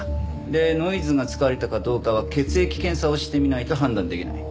でノイズが使われたかどうかは血液検査をしてみないと判断できない。